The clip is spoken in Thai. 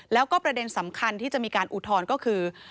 แล้วก็ประเด็นสำคัญที่จะมีการอุทธรณ์ก็คือ